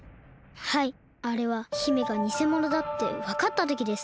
はいあれは姫がにせものだってわかったときです。